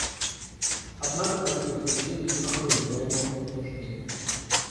Однако такие утверждения не находят реального подтверждения.